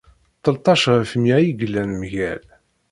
Tleṭṭac ɣef mya i yellan mgal.